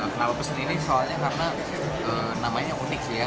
kenapa pesan ini soalnya karena namanya unik sih ya